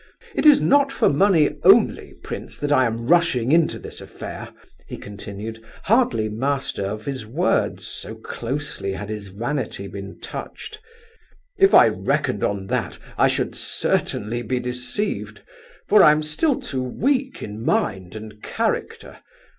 It is not for money only, prince, that I am rushing into this affair," he continued, hardly master of his words, so closely had his vanity been touched. "If I reckoned on that I should certainly be deceived, for I am still too weak in mind and character.